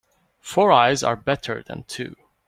Four eyes are better than two.